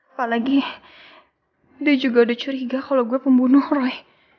apalagi dia juga udah curiga kalau gue pembunuh roy